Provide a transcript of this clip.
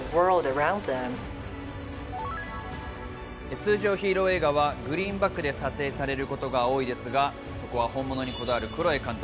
通常ヒーロー映画はグリーンバックで撮影されることが多いのですが、そこは本物にこだわるクロエ監督。